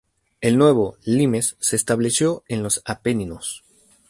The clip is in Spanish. El nuevo "limes" se estableció en los Apeninos.